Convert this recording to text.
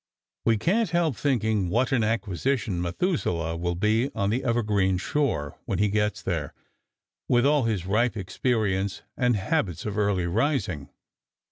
We can't help thinking what an acquisition Methuselah will be on the evergreen shore when he gets there, with all his ripe experience and habits of early rising."